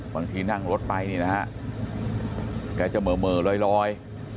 บางทีนั่งรถไปนี่นะฮะแกจะเหม่อลอย